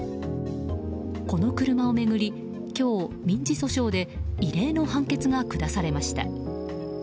この車を巡り、今日民事訴訟で異例の判決が下されました。